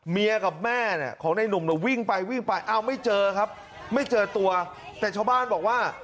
แม่กับแม่เนี่ยของในหนุ่มเนี่ยวิ่งไปวิ่งไปอ้าวไม่เจอครับไม่เจอตัวแต่ชาวบ้านบอกว่า